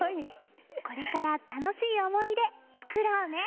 これから楽しい思い出作ろうね！